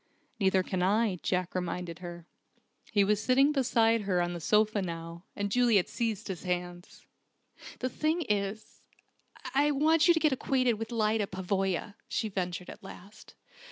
"Neither can I," Jack reminded her. He was sitting beside her on the sofa now, and Juliet seized his hands. "The thing is I want you to get acquainted with Lyda Pavoya," she ventured at last.